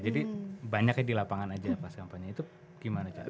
banyaknya di lapangan aja pas kampanye itu gimana caranya